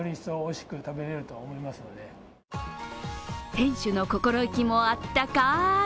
店主の心意気もあったかい